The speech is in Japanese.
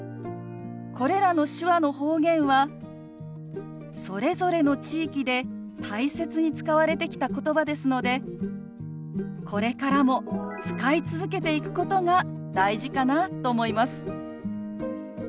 これらの手話の方言はそれぞれの地域で大切に使われてきた言葉ですのでこれからも使い続けていくことが大事かなと思います。